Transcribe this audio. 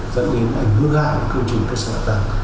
dẫn đến ảnh hưởng hư hạng của cơ trình cơ sở đặc tàng